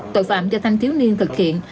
tội phạm do thanh thiếu niên thực hiện